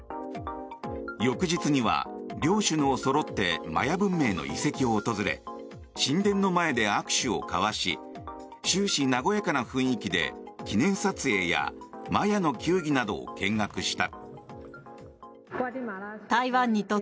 翌日には両首脳そろってマヤ文明の遺跡を訪れ神殿の前で握手を交わし終始和やかな雰囲気で記念撮影やマヤの球技などを見学した。